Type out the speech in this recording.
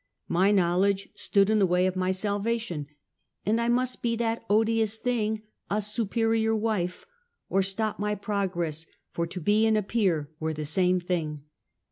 My knowledge stood in the way of my salvation, and I must be that odious thing — a superior wife — or stop my progress, for to be and appear were the same thing.